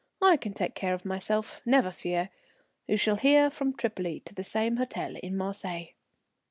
I can take care of myself, never fear. You shall hear from Tripoli to the same hotel in Marseilles."